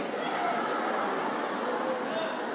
สวัสดีครับ